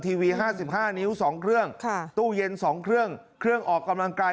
ทีวี๕๕นิ้ว๒เครื่องตู้เย็น๒เครื่องเครื่องออกกำลังกาย